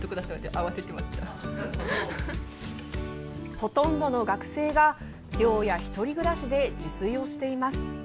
ほとんどの学生が、寮や１人暮らしで自炊をしています。